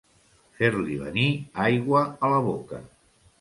Fer-li venir aigua a la boca.